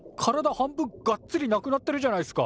半分がっつりなくなってるじゃないっすか！